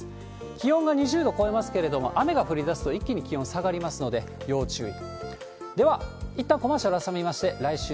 気温が２０度超えますけれども、雨が降りだすと一気に気温下がりますので要注意。